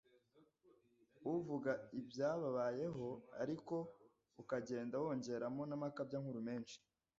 Uvuga ibyababayeho ariko ukagenda wongeramo n’amakabyankuru menshi.